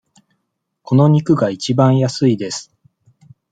この肉がいちばん安いです。